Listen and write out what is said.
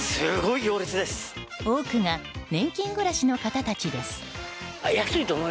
多くが年金暮らしの方たちです。